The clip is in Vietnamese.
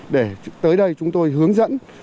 để tới đây chúng tôi hướng dẫn